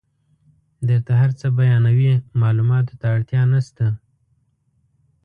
درته هر څه بیانوي معلوماتو ته اړتیا نشته.